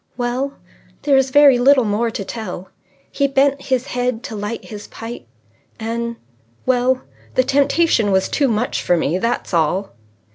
"Well, there is very little more to tell. He bent his head to light his pipe, and well the temptation was too much for me. That's all."